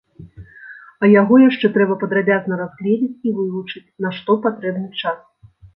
А яго яшчэ трэба падрабязна разгледзець і вывучыць, на што патрэбны час.